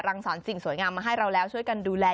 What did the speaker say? สอนสิ่งสวยงามมาให้เราแล้วช่วยกันดูแล